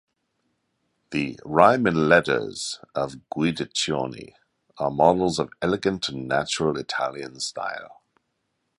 The "Rime and Letters" of Guidiccioni are models of elegant and natural Italian style.